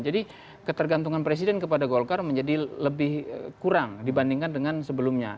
jadi ketergantungan presiden kepada golkar menjadi lebih kurang dibandingkan dengan sebelumnya